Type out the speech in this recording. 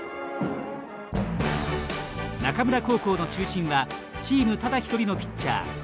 中村高校の中心はチームただ一人のピッチャー